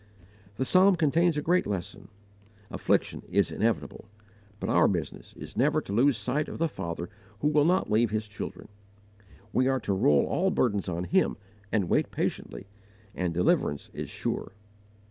The psalm contains a great lesson. Affliction is inevitable. But our business is never to lose sight of the Father who will not leave His children. We are to roll all burdens on Him and wait patiently, and deliverance is sure.